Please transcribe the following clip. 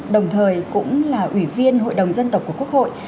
đồng thời cũng là ủy viên hội đồng dân tộc của quốc hội